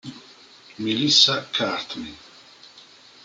Melissa Courtney